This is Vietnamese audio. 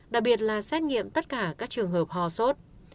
đặc biệt là xét nghiệm tất cả các trường hợp ho sốt